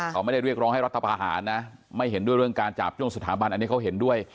เขาไม่ได้เรียกร้องให้รัฐพาหารนะไม่เห็นด้วยเรื่องการจาบจ้วงสถาบันอันนี้เขาเห็นด้วย